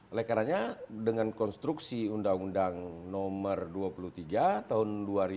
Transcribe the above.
oleh karena dengan konstruksi undang undang nomor dua puluh tiga tahun dua ribu dua